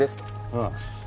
ああ。